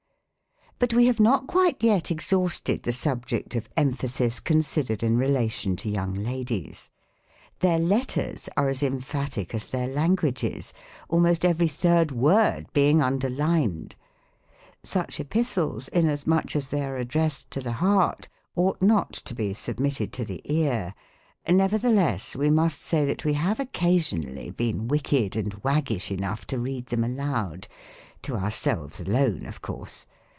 But we have not quite yet exhausted the subject ot emphasis, considered in relation to young ladies. Their letters are as emphatic as tlieir language is, almost every third word being underlined. Such epistles, inasmuch as they are addressed to the heart, ought not to be submitted to the ear; nevertheless we must say that we have occasionally been wicked and waggish enough to read them aloud — to ourselves alone, of course.